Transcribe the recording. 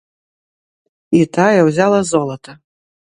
І тая ўзяла золата.